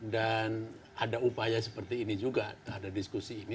dan ada upaya seperti ini juga ada diskusi ini